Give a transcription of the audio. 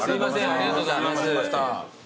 ありがとうございます。